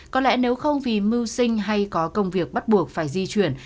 có lẽ nếu không vì mưu sinh hay có công việc bắt buộc phải di chuyển